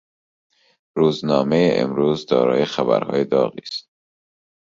روزنامهٔ امروز دارای خبرهای داغی است.